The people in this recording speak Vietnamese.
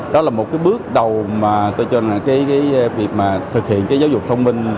đó là một cái bước đầu mà tôi cho là cái việc mà thực hiện cái giáo dục thông minh